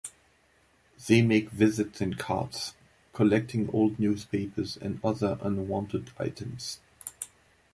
They make visits in carts, collecting old newspapers and other unwanted items.